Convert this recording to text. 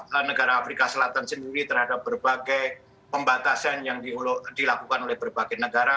di negara afrika selatan sendiri terhadap berbagai pembatasan yang dilakukan oleh berbagai negara